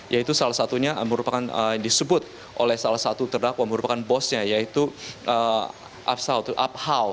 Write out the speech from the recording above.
yaitu salah satunya merupakan disebut oleh salah satu terdakwa merupakan bosnya yaitu abhau